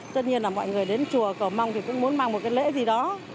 tất nhiên là mọi người đến chùa cầu mong thì cũng muốn mang một cái lễ gì đó